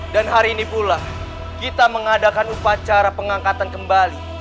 dan hari ini pula kita mengadakan upacara pengangkatan kembali